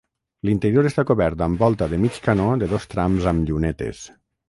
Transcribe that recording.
L'interior està cobert amb volta de mig canó de dos trams amb llunetes.